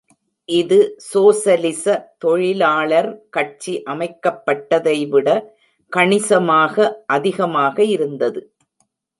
இது சோசலிச தொழிலாளர் கட்சி அமைக்கப்பட்டதை விட கணிசமாக அதிகமாக இருந்தது.